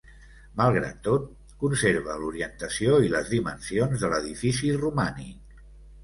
Malgrat tot, conserva l'orientació i les dimensions de l'edifici romànic.